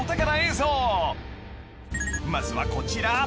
［まずはこちら］